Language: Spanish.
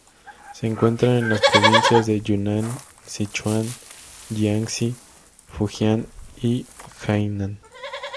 Se encuentra en las provincias de Yunnan, Sichuan, Jiangxi, Fujian y Hainan.